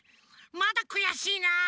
まだくやしいなあ！